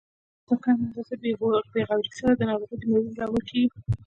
په کمه اندازه بې غورۍ سره د ناروغ د مړینې لامل کیږي.